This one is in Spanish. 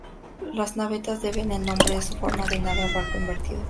Las navetas deben el nombre a su forma de nave o barco invertido.